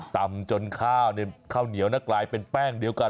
จนข้าวข้าวเหนียวนะกลายเป็นแป้งเดียวกัน